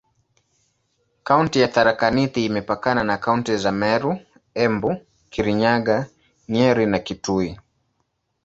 Kaunti ya Tharaka Nithi imepakana na kaunti za Meru, Embu, Kirinyaga, Nyeri na Kitui.